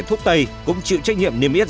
thuốc tây cũng chịu trách nhiệm niêm yết